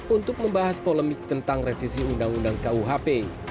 untuk membahas polemik tentang revisi undang undang kuhp